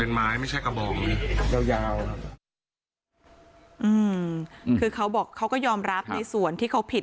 เป็นไม้ไม่ใช่กระบองยาวยาวอืมคือเขาบอกเขาก็ยอมรับในส่วนที่เขาผิด